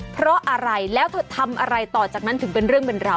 เพราะอะไรแล้วเธอทำอะไรต่อจากนั้นถึงเป็นเรื่องเป็นราว